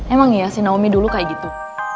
emang ya si naomi dulu kaya gitu